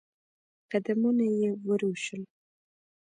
قدمونه يې ورو شول.